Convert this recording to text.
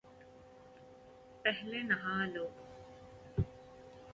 پہلے نہا لو ـ